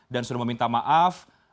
dan suruh meminta maaf